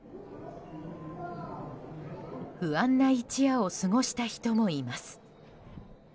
不安な一夜を過ごした人もいます。